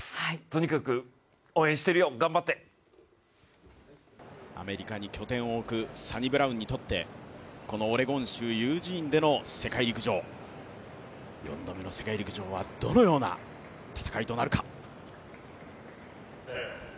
とにかく応援しているよ、頑張ってアメリカに拠点を置くサニブラウンにとってこのオレゴン州ユージーンでの世界陸上、４度目の世界陸上はどのような戦いとなるか。